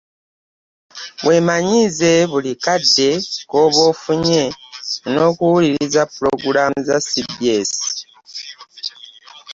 Weemanyiize buli kadde k’oba ofunye n’okuwuliriza pulogulaamu za C.B.S.